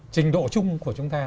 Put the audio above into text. trình độ chung của chúng ta